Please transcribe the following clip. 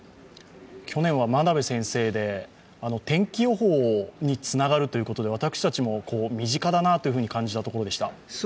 去年は真鍋先生で天気予報につながるということで私たちも身近だなと感じたところでした。